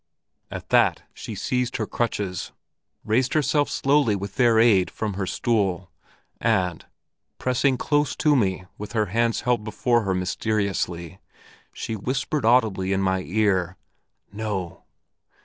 At that she seized her crutches, raised herself slowly with their aid from her stool, and, pressing close to me with her hands held before her mysteriously, she whispered audibly in my ear, 'No!'